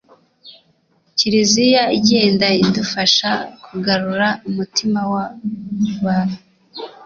kiliziya igenda idufasha kugarura umutima w’abantu